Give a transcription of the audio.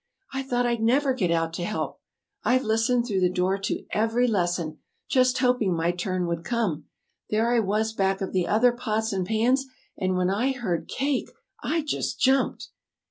"I thought I'd never get out to help! I've listened through the door to every lesson, just hoping my turn would come. There I was back of the other pots and pans, and when I heard 'Cake' I just jumped!"